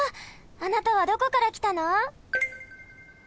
あなたはどこからきたの？